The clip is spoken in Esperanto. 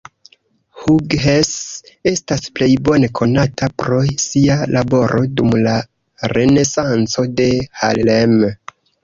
Hughes estas plej bone konata pro sia laboro dum la Renesanco de Harlem.